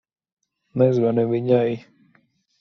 Nezvani viņai.